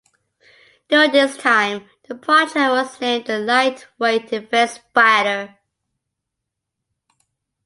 During this time, the project was named the "Light Weight Defense Fighter".